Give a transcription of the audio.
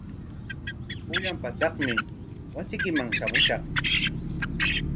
Pullan paqasmi wasiykiman shamushaq.